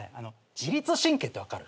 自律神経って分かる？